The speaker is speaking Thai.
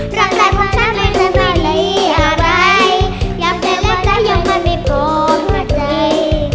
ตรงจากตรงชั้นไม่แค่ไหนยังแต่ละใจยังไม่โปรดหัวใจ